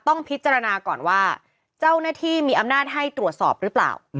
ต้องพิจารณาก่อนว่าเจ้าหน้าที่มีอำนาจให้ตรวจสอบหรือเปล่า